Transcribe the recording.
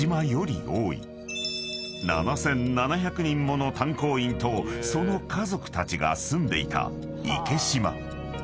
［７，７００人もの炭鉱員とその家族たちが住んでいた池島］